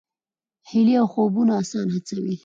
هیلې او خوبونه انسان هڅوي.